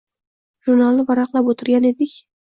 Jurnalni varaqlab o‘tirgan edik.